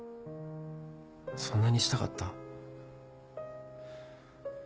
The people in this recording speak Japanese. そんなにしたかった？